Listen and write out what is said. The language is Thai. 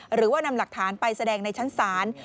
หรือว่านำหลักฐานไปแสดงในชั้นศาล